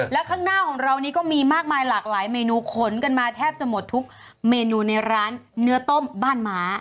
แล้วข้างหน้าของเรานี้ก็มีมากมายหลากหลายเมนูขนกันมาแทบจะหมดทุกเมนูในร้านเนื้อต้มบ้านม้า